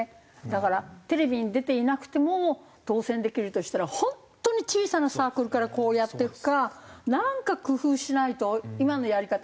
だからテレビに出ていなくても当選できるとしたら本当に小さなサークルからこうやっていくかなんか工夫しないと今のやり方。